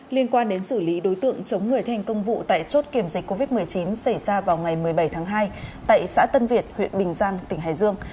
liên quan đến xử lý đối tượng chống người thi hành công vụ tại chốt kiểm dịch covid một mươi chín xảy ra vào ngày một mươi bảy tháng hai tại xã tân việt huyện bình giang tỉnh hải dương